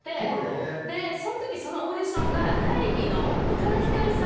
その時そのオーディションが。